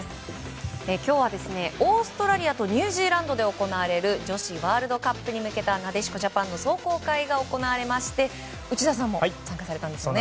今日はオーストラリアとニュージーランドで行われる女子ワールドカップに向けたなでしこジャパンの壮行会が行われまして、内田さんも参加されたんですよね。